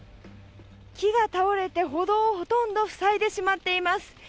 木が倒れて歩道をほとんど塞いでしまっています。